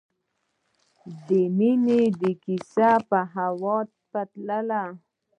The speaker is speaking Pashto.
د دوی د مینې کیسه د هوا په څېر تلله.